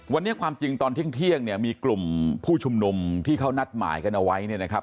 วันนี้ความจริงตอนเที่ยงเนี่ยมีกลุ่มผู้ชุมนุมที่เขานัดหมายกันเอาไว้เนี่ยนะครับ